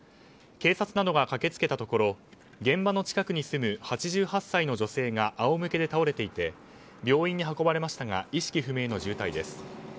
警察などが駆け付けたところ現場の近くに住む８８歳の女性が仰向けで倒れていて病院に運ばれましたが意識不明の重体です。